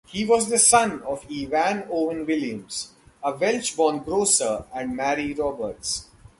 He was the son of Evan Owen Williams, a Welsh-born grocer and Mary Roberts.